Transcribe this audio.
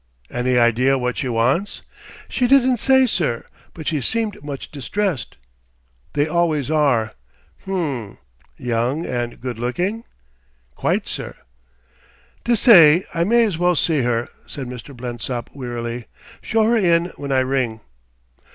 "Any idea what she wants?" "She didn't say, sir but she seemed much distressed." "They always are. H'm.... Young and good looking?" "Quite, sir." "Dessay I may as well see her," said Mr. Blensop wearily. "Show her in when I ring."